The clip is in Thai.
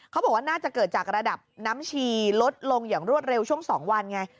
เขาบอกว่าน่าจะเกิดจากระดับน้ำชีลดลงอย่างรวดเร็วช่วง๒วันไง